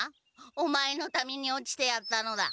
オマエのために落ちてやったのだ。